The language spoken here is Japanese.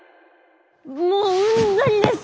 もううんざりです